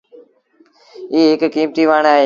ايٚ هڪ ڪيمتيٚ وڻ اهي۔